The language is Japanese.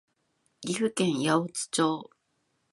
岐阜県八百津町